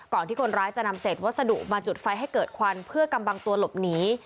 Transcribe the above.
ที่คนร้ายจะนำเศษวัสดุมาจุดไฟให้เกิดควันเพื่อกำบังตัวหลบหนี